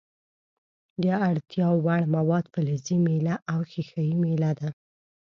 د اړتیا وړ مواد فلزي میله او ښيښه یي میله ده.